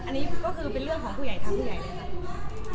อันนี้ก็คือเป็นเรื่องของผู้ใหญ่ทางผู้ใหญ่เลยค่ะ